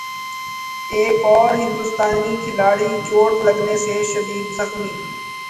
ایک اور ہندوستانی کھلاڑی چوٹ لگنے سے شدید زخمی